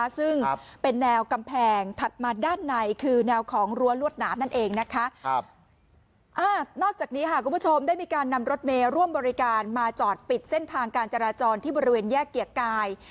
จากนี้ครับคุณผู้ชมได้มีการนำรถเมล์ร่วมบริการมาจอดปิดเส้นทางการจราจรที่บริเวณแยกเกียรติกาย